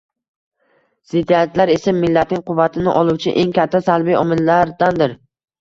Ziddiyatlar esa millatning quvvatini oluvchi eng katta salbiy omillardandir.